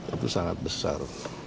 itu sangat besar